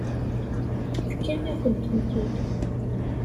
Fkan-akent-tent-id.